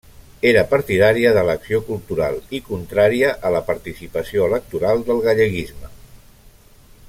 Era partidària de l'acció cultural i contrària a la participació electoral del galleguisme.